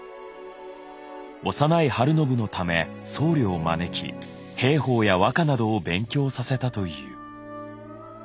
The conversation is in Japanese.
幼い晴信のため僧侶を招き兵法や和歌などを勉強させたという。